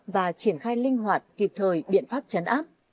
và triển khai linh hoạt kịp thời biện pháp chấn áp